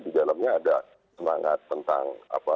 di dalamnya ada semangat tentang